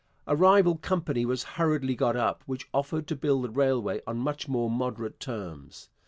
A rival company was hurriedly got up which offered to build the railway on much more moderate terms.